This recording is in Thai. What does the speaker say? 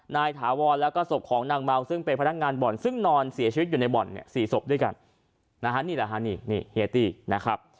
ถาวรแล้วก็ศพของนางเมาซึ่งเป็นพนักงานบ่อนซึ่งนอนเสียชีวิตอยู่ในบ่อนเนี่ยสี่ศพด้วยกันนะฮะนี่แหละฮะนี่นี่เฮียตี้นะครับ